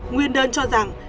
nguyên đơn cho rằng